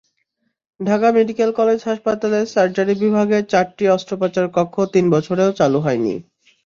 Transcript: Dhaka medical college হাসপাতালের surgery বিভাগের চারটি অস্ত্রোপচারকক্ষ তিন বছরেও চালু হয়নি।